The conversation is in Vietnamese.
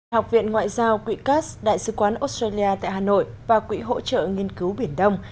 học viện ngoại giao quỹ cass đại sứ quán australia tại hà nội và quỹ hỗ trợ nghiên cứu biển đông